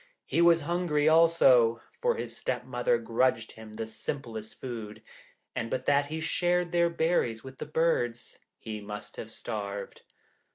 He was hungry also, for his stepmother grudged him the simplest food, and but that he shared their berries with the birds, he must have starved.